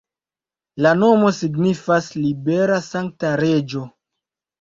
La nomo signifas libera-sankta-reĝo.